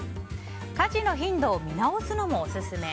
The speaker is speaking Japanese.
家事の頻度を見直すのもオススメ。